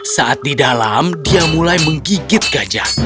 saat di dalam dia mulai menggigit gajah